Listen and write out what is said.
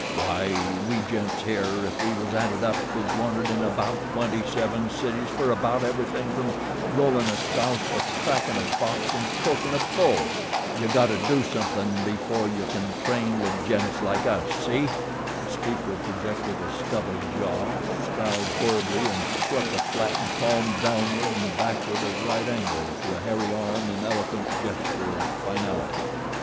Why we gents, here, if we was added up is wanted in about twenty seven cities fer about everything from rollin' a souse to crackin' a box and croakin' a bull. You gotta do something before you can train wid gents like us, see?" The speaker projected a stubbled jaw, scowled horridly and swept a flattened palm downward and backward at a right angle to a hairy arm in eloquent gesture of finality.